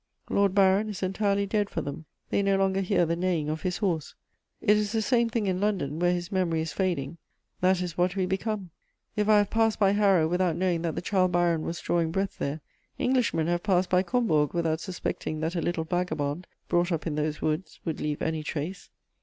Lord Byron is entirely dead for them; they no longer hear the neighing of his horse: it is the same thing in London, where his memory is fading. That is what we become. If I have passed by Harrow without knowing that the child Byron was drawing breath there, Englishmen have passed by Combourg without suspecting that a little vagabond, brought up in those woods, would leave any trace.